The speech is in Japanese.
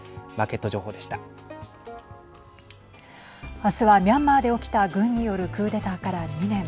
明日はミャンマーで起きた軍によるクーデターから２年。